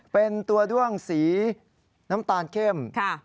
เป็นตัวด้วงสีน้ำตาลเข้ม